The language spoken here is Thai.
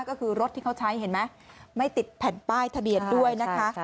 ก็คือรถที่เขาใช้เห็นไหมไม่ติดแผ่นป้ายทะเบียนด้วยนะคะ